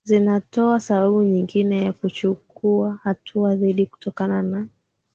zinatoa sababu nyingine ya kuchukua hatua dhidiKutokana na